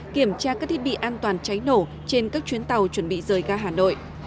kiểm tra các thiết bị an toàn cháy nổ trên các chuyến tàu chuẩn bị rời ra hà nội